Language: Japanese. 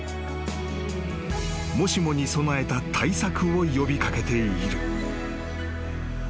［もしもに備えた対策を呼び掛けている］